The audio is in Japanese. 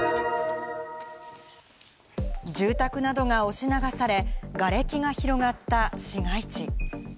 住宅などが押し流され、瓦礫が広がった市街地。